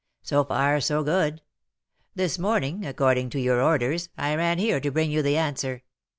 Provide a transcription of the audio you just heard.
So far so good. This morning, according to your orders, I ran here to bring you the answer.